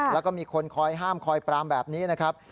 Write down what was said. แล้วก็มีคนคอยห้ามคอยปรามแบบนี้นะครับ